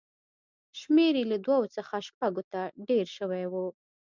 شمېر یې له دوو څخه شپږو ته ډېر شوی و.